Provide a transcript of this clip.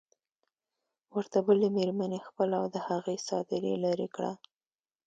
ورته بلې مېرمنې خپله او د هغې څادري لرې کړه.